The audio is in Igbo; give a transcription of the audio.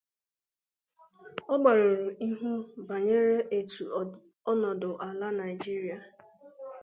Ọ gbarụrụ ihu bànyere etu ọnọdụ ala Nigeria